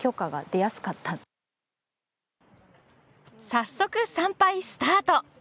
早速、参拝スタート！